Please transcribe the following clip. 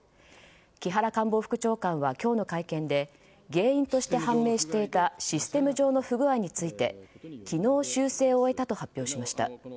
木原官房副長官は今日の会見で原因として判明していたシステム上の不具合について昨日、修正を終えたと発表しました。